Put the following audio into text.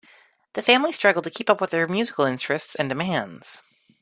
The family struggled to keep up with her musical interests and demands.